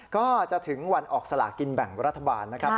ก็จะถึงวันออกสลากินแบ่งรัฐบาลนะครับ